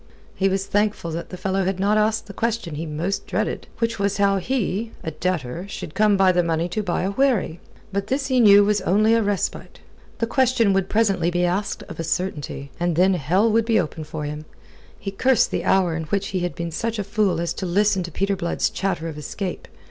He was thankful that the fellow had not asked the question he most dreaded, which was how he, a debtor, should come by the money to buy a wherry. But this he knew was only a respite. The question would presently be asked of a certainty, and then hell would open for him. He cursed the hour in which he had been such a fool as to listen to Peter Blood's chatter of escape.